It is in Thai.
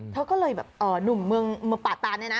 เธอก็เลยแบบหนุ่มป่าตานนี่นะ